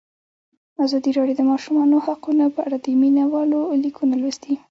ازادي راډیو د د ماشومانو حقونه په اړه د مینه والو لیکونه لوستي.